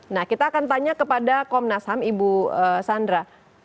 nah kita akan tanya kepada komnas ham ibu sandra